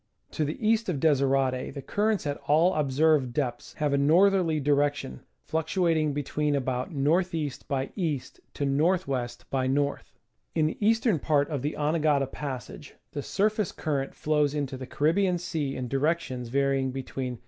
To the east of Desirade the currents at all observed depths have a northerly direction, fluctuating between about N. E. by E. to N. W. by N. In the eastern part of the Anegada Passage the surface current flows into the Caribbean Sea in directions varying between S.